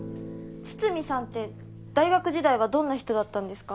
筒見さんって大学時代はどんな人だったんですか？